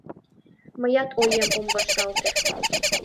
Мыят оем ом вашталте.